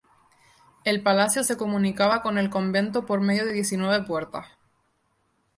El palacio se comunicaba con el convento por medio de diecinueve puertas.